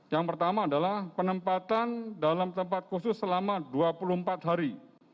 yang pertama adalah penempatan dalam tempat khusus selama dua puluh empat hari